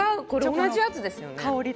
同じやつですよね。